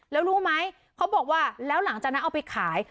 แล้วรู้ไหมเขาบอกว่าแล้วหลังจากนั้นเอาไปขาย